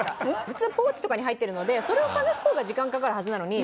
普通ポーチとかに入ってるのでそれを探す方が時間かかるはずなのに。